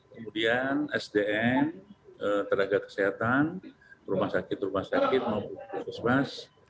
kemudian sdm tenaga kesehatan rumah sakit rumah sakit maupun puskesmas